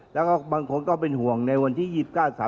มายพวกใครต้องไปห่วงในวันที่๒๙๓๑